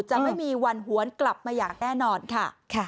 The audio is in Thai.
จะไม่มีวันหวนกลับมาอย่างแน่นอนค่ะ